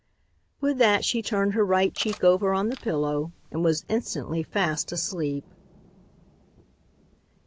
With that she turned her right cheek over on the pillow and was instantly fast asleep.